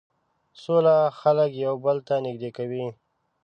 سوله خلک یو بل ته نژدې کوي.